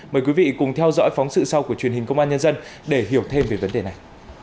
mời quý vị cùng theo dõi phóng sự sau của truyền hình công an nhân dân để hiểu thêm về vấn đề này